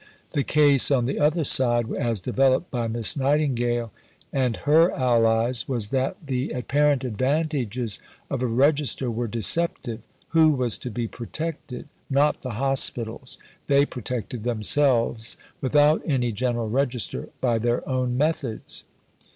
The case, on the other side, as developed by Miss Nightingale and her allies, was that the apparent advantages of a Register were deceptive. Who was to be protected? Not the hospitals: they protected themselves, without any general register, by their own methods.